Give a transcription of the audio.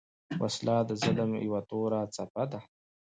وسله د ظلم یو توره څپه ده